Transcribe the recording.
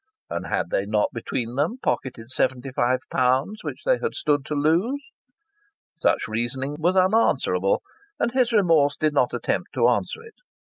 And had they not between them pocketed seventy five pounds which they had stood to lose? Such reasoning was unanswerable, and his remorse did not attempt to answer it.